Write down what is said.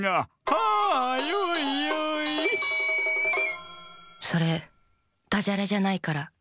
「はあヨイヨイ」それダジャレじゃないから。